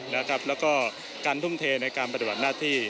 แล้วก็การทุ่มเทในการปฏิบัติหน้าที่